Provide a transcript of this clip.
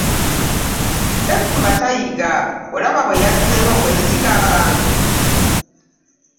Ssettuba tayiga, olaba bwe yazzeemu okwesiga abantu!